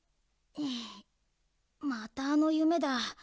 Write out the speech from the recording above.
またあのゆめだ